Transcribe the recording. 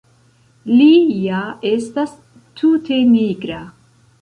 Li ja estas tute nigra!